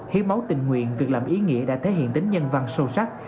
hiến máu tình nguyện việc làm ý nghĩa đã thể hiện tính nhân văn sâu sắc